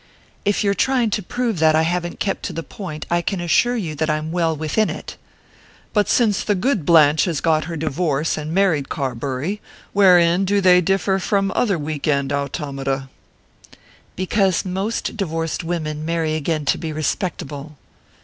"If you're trying to prove that I haven't kept to the point I can assure you that I'm well within it!" "But since the good Blanche has got her divorce and married Carbury, wherein do they differ from other week end automata?" "Because most divorced women marry again to be respectable."